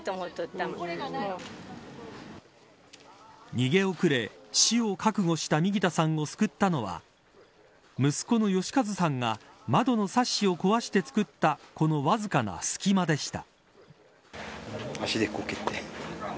逃げ遅れ、死を覚悟した右田さんを救ったのは息子の厳一さんが窓のサッシを壊して作ったこのわずかな隙間でした。